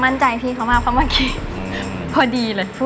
พี่เขามากเพราะเมื่อกี้พอดีเลย